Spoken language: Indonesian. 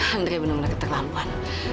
andri benar benar keterlampuan